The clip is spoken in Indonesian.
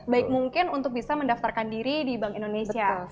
baik mungkin untuk bisa mendaftarkan diri di bank indonesia